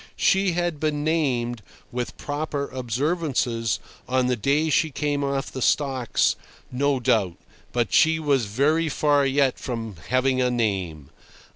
She had been named, with proper observances, on the day she came off the stocks, no doubt, but she was very far yet from "having a name."